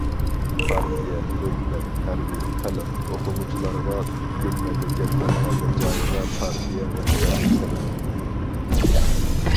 پارتىيە، ھۆكۈمەت، ھەربىي، خەلق، ئوقۇغۇچىلارغا، پۈتكۈل مەملىكەتنىڭ ھەممە جايىغا پارتىيە رەھبەرلىك قىلىدۇ.